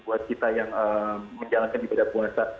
buat kita yang menjalankan ibadah puasa